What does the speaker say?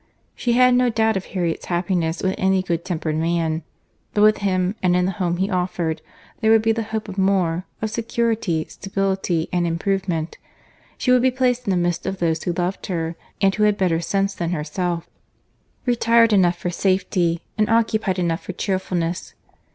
She had no doubt of Harriet's happiness with any good tempered man; but with him, and in the home he offered, there would be the hope of more, of security, stability, and improvement. She would be placed in the midst of those who loved her, and who had better sense than herself; retired enough for safety, and occupied enough for cheerfulness.